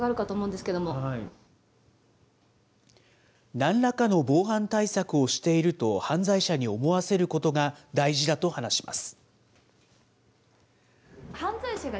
なんらかの防犯対策をしていると犯罪者に思わせることが大事だと話します。